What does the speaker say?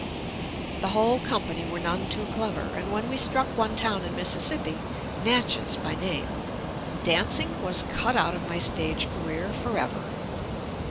The whole company were none too clever, and when we struck one town in Mississippi — Natchez by name — dancing was cut out of my stage career forever.